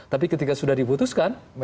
tapi ketika sudah dibutuskan